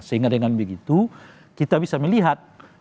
sehingga dengan begitu kita bisa melihat